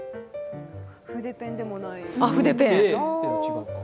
筆ペンでもない。